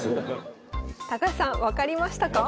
高橋さん分かりましたか？